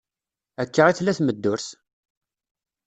Akka i tella tmeddurt!